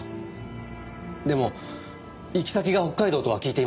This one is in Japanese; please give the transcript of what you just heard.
でも行き先が北海道とは聞いていませんでした。